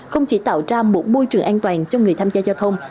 không chỉ tạo ra một môi trường an toàn cho người tham gia giao thông